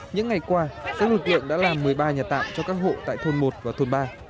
những ngày qua các lực lượng đã làm một mươi ba nhà tạm cho các hộ tại thôn một và thôn ba